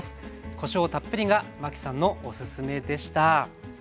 こしょうをたっぷりがマキさんのおすすめでした。